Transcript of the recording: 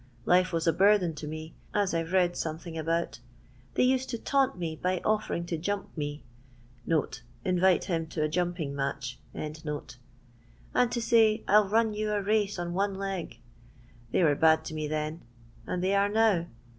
Life was a burthen to me, as I 've read something about They used to taunt me by offering to jump me" (in vite him to a jumping match), " and to say, I '11 run you a race on one leg. They were bad to me then, and they are now.